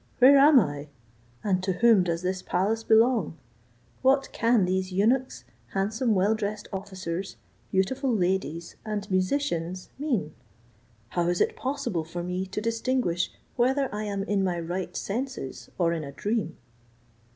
Where am I? and to whom does this palace belong? What can these eunuchs, handsome well dressed officers, beautiful ladies, and musicians mean: How is it possible for me to distinguish whether I am in my right senses or in a dream?"